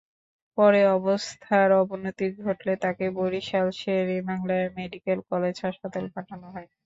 পরে অবস্থার অবনতি ঘটলে তাঁকে বরিশাল শের-ই-বাংলা মেডিকেল কলেজ হাসপাতালে পাঠানো হয়।